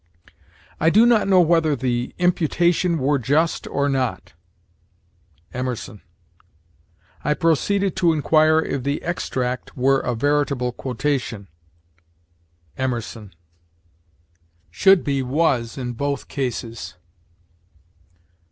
"I do not know whether the imputation were just or not." Emerson. "I proceeded to inquire if the 'extract' ... were a veritable quotation." Emerson. Should be was in both cases.